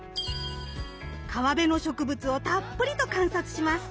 川辺の植物をたっぷりと観察します。